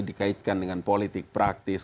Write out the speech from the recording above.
dikaitkan dengan politik praktis